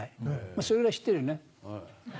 それぐらい知ってるよね？